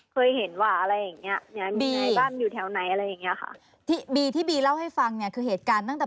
เคยเห็นว่าที่แถวไหนอะไรอย่างนี้ค่ะบีที่บีเล่าให้ฟังคือเหตุการณ์ตั้งแต่